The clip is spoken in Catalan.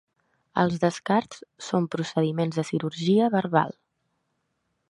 Els descarts són procediments de cirurgia verbal.